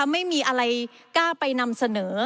ไม่มีอะไรกล้าไปนำเสนอ